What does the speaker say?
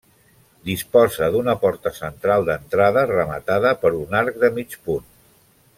Disposa d'una porta central d’entrada, rematada per un arc de mig punt.